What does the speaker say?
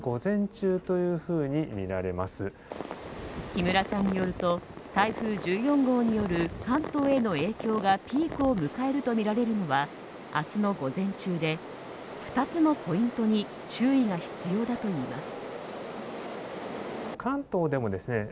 木村さんによると台風１４号による関東への影響がピークを迎えるとみられるのは明日の午前中で２つのポイントに注意が必要だといいます。